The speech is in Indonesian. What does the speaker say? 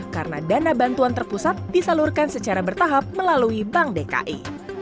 karena dana bantuan terpusat disalurkan secara bertahap melalui bank dki